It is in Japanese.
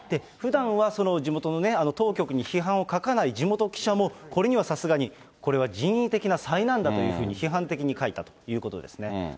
ふだんは地元の当局に批判を書かない地元記者も、これにはさすがにこれは人為的な災難だというふうに、批判的に書いたということですね。